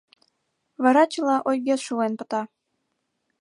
Вара чыла ойгет шулен пыта.